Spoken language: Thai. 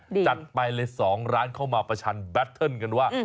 จัดไปเลย๒ร้านเข้ามาประชันแบตเทิร์นกันว่า